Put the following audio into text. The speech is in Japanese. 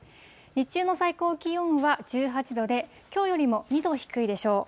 日中の最高気温は１８度で、きょうよりも２度低いでしょう。